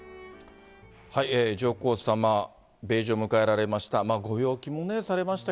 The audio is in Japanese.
上皇さま、米寿を迎えられました。